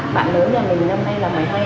bạn lớn nhà mình năm nay là một mươi hai tuổi